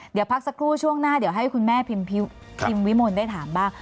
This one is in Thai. เดี๋ยวพักสักครู่ช่วงหน้าเดี๋ยวให้คุณแม่พิมพ์วิมลได้ถามบ้าง